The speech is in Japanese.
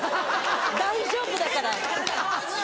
大丈夫だから。